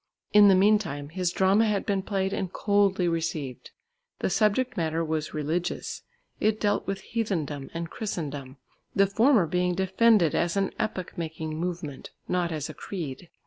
In the meantime his drama had been played and coldly received. The subject matter was religious. It dealt with heathendom and Christendom, the former being defended as an epoch making movement, not as a creed.